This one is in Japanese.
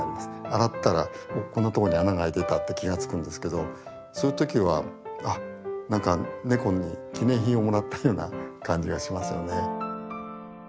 洗ったらおっこんなところに穴が開いてたって気が付くんですけどそういう時はあっ何かネコに記念品をもらったような感じがしますよね。